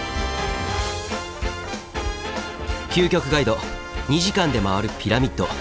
「究極ガイド２時間でまわるピラミッド」。